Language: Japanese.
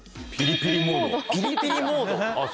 ・ピリピリモード・あっ